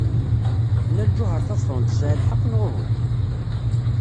Nna Lǧuheṛ Tabetṛunt tesɛa lḥeqq, neɣ uhu?